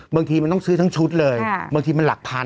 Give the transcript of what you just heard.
บางทีมันต้องซื้อทั้งชุดเลยบางทีมันหลักพัน